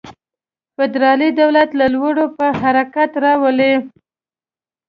فدرالي دولت له لوري په حرکت راولي.